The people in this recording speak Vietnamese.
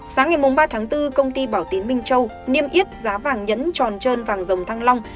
sáng ngày ba tháng bốn công ty bảo tín minh châu niêm yết giá vàng nhẫn tròn trơn vàng dòng thăng long